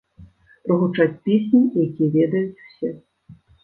Прагучаць песні, якія ведаюць усе.